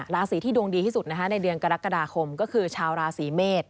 ราศีที่ดวงดีที่สุดในเดือนกรกฎาคมก็คือชาวราศีเมษ